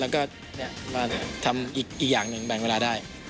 แล้วก็มาทำอีกอย่างหนึ่งแบ่งเวลาได้